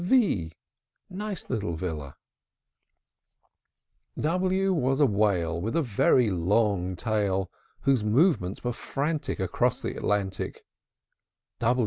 v! Nice little villa! W W was a whale With a very long tail, Whose movements were frantic Across the Atlantic.